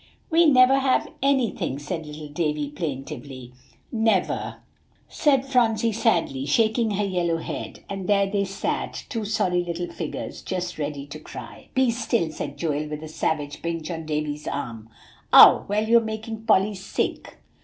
"We never have anything," said little Davie plaintively. "Never," said Phronsie sadly, shaking her yellow head. And there they sat, two sorry little figures, just ready to cry. "Be still," said Joel, with a savage pinch on Davie's arm. "Ow!" "Well, you're making Polly sick."